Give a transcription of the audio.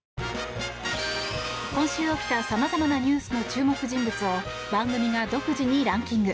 今週起きた様々なニュースの注目人物を番組が独自にランキング。